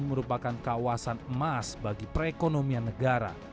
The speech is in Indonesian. merupakan kawasan emas bagi perekonomian negara